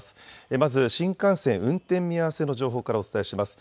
まず新幹線、運転見合わせの情報からお伝えします。